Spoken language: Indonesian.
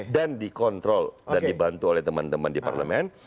dan dikontrol dan dibantu oleh teman teman di parlemen